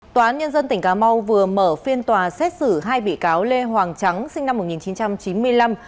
tòa án nhân dân tỉnh cà mau vừa mở phiên tòa xét xử hai bị cáo lê hoàng trắng sinh năm một nghìn chín trăm chín mươi năm